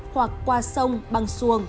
hoặc qua sông bằng xuồng